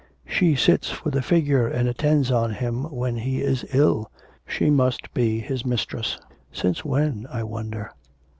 'She sits for the figure and attends on him when he is ill, she must be his mistress. Since when I wonder?'